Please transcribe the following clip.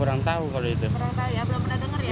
kurang tahu ya belum pernah dengar ya